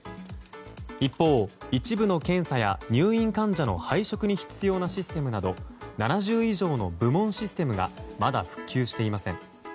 一方、一部の検査や入院患者の配食に必要なシステムなど７０以上の部門システムがまだ復旧していません。